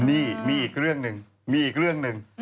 นี่มีอีกเรื่องหนึ่งมีอีกเรื่องหนึ่ง